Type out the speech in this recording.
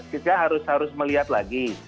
kita harus melihat lagi